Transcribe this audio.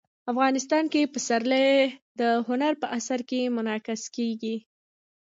افغانستان کې پسرلی د هنر په اثار کې منعکس کېږي.